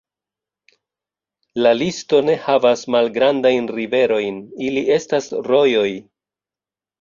La listo ne havas malgrandajn riverojn, ili estas rojoj.